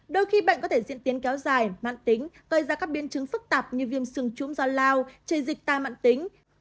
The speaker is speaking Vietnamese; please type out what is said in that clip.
đôi khi bệnh có thể diễn tiến kéo dài mạn tính gây ra các biên chứng phức tạp như viêm sừng trúm do lao chảy dịch tai mạn tính